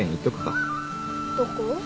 どこ？